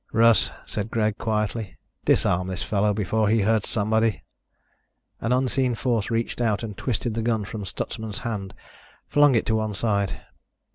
"Russ," said Greg quietly, "disarm this fellow before he hurts somebody." An unseen force reached out and twisted the gun from Stutsman's hand, flung it to one side.